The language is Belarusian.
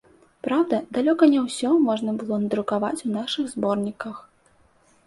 Праўда, далёка не ўсё можна было надрукаваць у нашых зборніках.